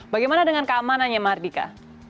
bagaimana dengan keamanannya mardika